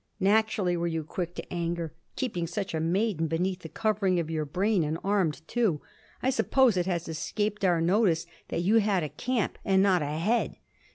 Naturally were you quick to anger, keeping such a maiden beneath the covering of your brain and armed too. I suppose it has escaped our notice that you had a camp and not a head.